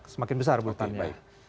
semakin besar buletannya